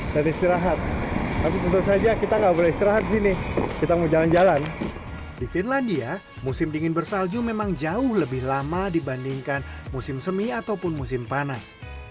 di kota ini musim dingin bersalju memang jauh lebih lama dibandingkan musim semi ataupun musim panas